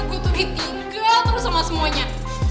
gue tuh di tinggal terus sama semuanya